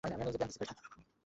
তাতে কত খরচ পড়বে আমার?